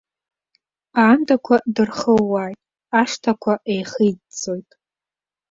Аандақәа дырхууаауеит, ашҭақәа еихиҵәҵәоит.